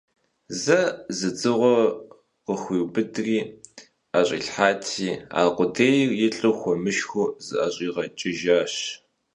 Зэ зы дзыгъуэ къыхуиубыдри ӀэщӀилъхьати, аркъудейр, илӀу хуэмышхыу, зыӀэщӀигъэкӀыжащ!